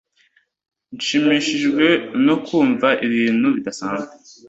Nshimishijwe no kumva ibintu bidasanzwe